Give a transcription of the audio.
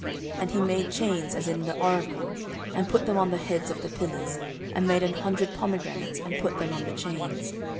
14:003:016 And he made chains, as in the oracle, and put them on the heads of the pillars; and made an hundred pomegranates, and put them on the chains.